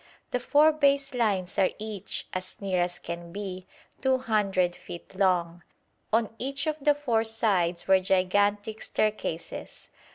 The four base lines are each, as near as can be, 200 feet long. On each of the four sides were gigantic staircases.